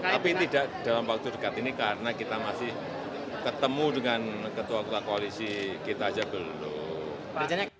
tapi tidak dalam waktu dekat ini karena kita masih ketemu dengan ketua ketua koalisi kita aja belum